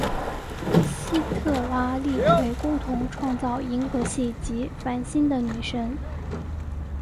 西特拉利奎共同创造银河系及繁星的女神。